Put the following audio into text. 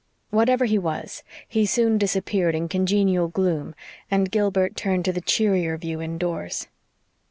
Whatever he was, he soon disappeared in congenial gloom and Gilbert turned to the cheerier view indoors.